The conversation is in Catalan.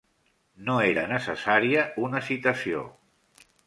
No era necessària una citació.